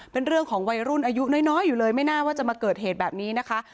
เป็นเรื่องของวัยรุ่นอายุน้อยอยู่เลยไม่น่าว่าจะมาเกิดเหตุแบบนี้นะคะ